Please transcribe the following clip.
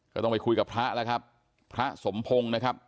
ก็ต้องไปคุยกับพระแล้วครับพระสมพงศ์นะครับ